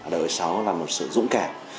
đối với xóa là một sự dũng cảm